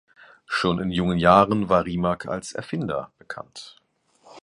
Schon in jungen Jahren war Rimac als Erfinder bekannt.